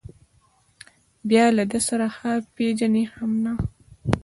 بیا له ده سره هغه پېژني هم نه.